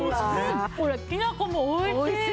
これきなこもおいしい！